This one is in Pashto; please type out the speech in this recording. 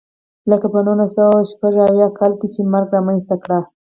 لکه په نولس سوه شپږ اویا کال کې چې مرګ رامنځته کړه.